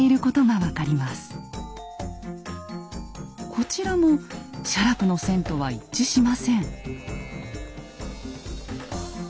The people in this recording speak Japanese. こちらも写楽の線とは一致しません。